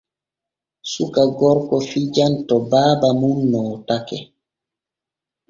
Suka gorko fijan to baaba muuɗum nootake.